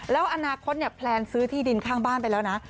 แล้วอนาคตเนี่ยแพลนซื้อที่ดินข้างบ้านไปแล้วนะ